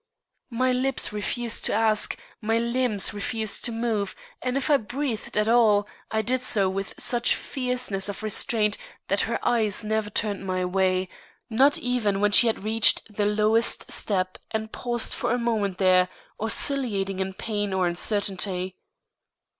My lips refused to ask, my limbs refused to move, and if I breathed at all, I did so with such fierceness of restraint that her eyes never turned my way, not even when she had reached the lowest step and paused for a moment there, oscillating in pain or uncertainty.